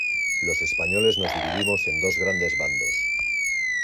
los españoles nos dividimos en dos grandes bandos: